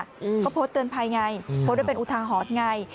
ก็โพสต์เตือนภัยไงโพสต์เป็นอุทาหอนไง